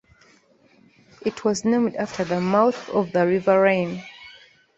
It was named after the mouth of the river Rhine.